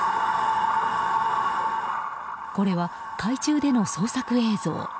これは海中での捜索映像。